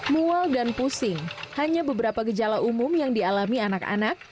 mual dan pusing hanya beberapa gejala umum yang dialami anak anak